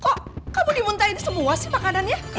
kok kamu dimuntahin semua sih makanannya